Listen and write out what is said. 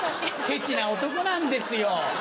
ケチな男なんですよ。